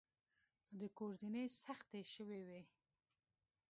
د کور زینې سختې شوې وې.